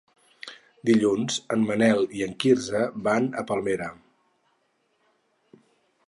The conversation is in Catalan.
Dilluns en Manel i en Quirze van a Palmera.